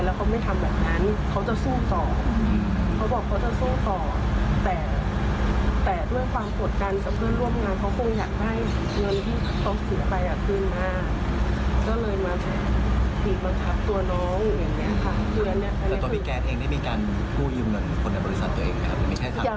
และตรงนี้แกนเองได้บีการกู้ยืมเงินคนในบริษัทตัวเองนะครับ